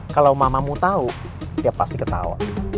kalau mamamu tahu dia pasti ketawa